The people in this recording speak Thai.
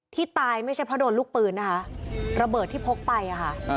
ที่ตายไม่ใช่เพราะโดนลูกปืนนะคะระเบิดที่พกไปอะค่ะ